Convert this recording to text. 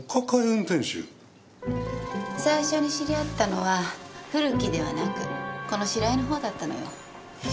最初に知り合ったのは古木ではなくこの白井のほうだったのよ。